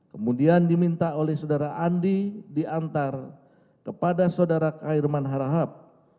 kemudian diminta oleh saudara andi diantar kepada saudara khairman harahap